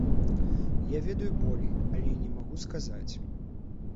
Я ведаю болей, але не магу сказаць.